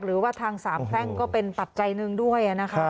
หรือว่าทางสามแพร่งก็เป็นปัจจัยหนึ่งด้วยนะคะ